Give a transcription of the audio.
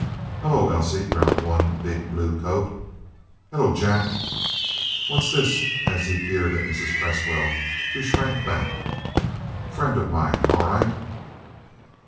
"Hello, Elise," growled one big blue coat. "Hello, Jack." "What's this?" and he peered at Mrs. Cresswell, who shrank back. "Friend of mine. All right."